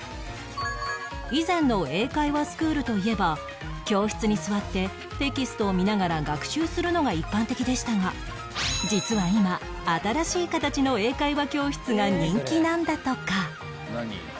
以前の英会話スクールといえば教室に座ってテキストを見ながら学習するのが一般的でしたが実は今新しい形の英会話教室が人気なんだとか